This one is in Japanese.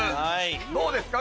どうですか？